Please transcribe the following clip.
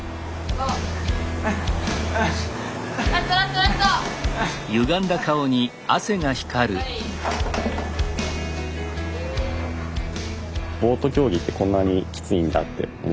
ボート競技ってこんなにきついんだって日々感じてます。